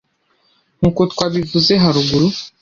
nk’uko twabivuze haruguru